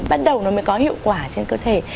bắt đầu nó mới có hiệu quả trên cơ thể